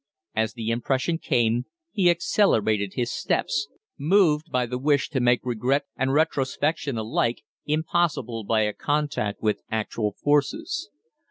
As the impression came he accelerated his steps, moved by the wish to make regret and retrospection alike impossible by a contact with actual forces.